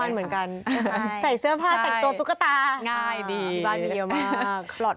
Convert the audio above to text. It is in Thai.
เหมือนกันใส่เสื้อผ้าแต่งตัวตุ๊กตาง่ายดีบ้านนี้เยอะมากปลอด